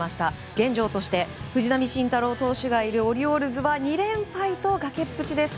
現状として藤浪晋太郎投手がいるオリオールズは２連敗と崖っぷちです。